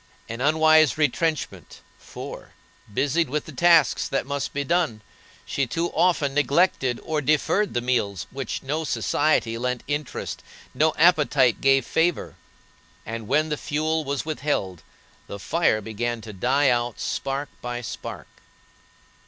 An unwise retrenchment, for, busied with the tasks that must be done, she too often neglected or deferred the meals to which no society lent interest, no appetite gave flavor; and when the fuel was withheld the fire began to die out spark by spark.